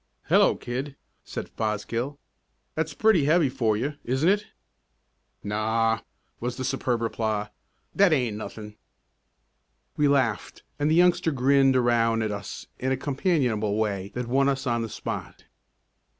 "Hello, kid," said Fosgill; "that's pretty heavy for you, isn't it?" "Naw," was the superb reply; "that ain't nothin'!" We laughed, and the youngster grinned around at us in a companionable way that won us on the spot.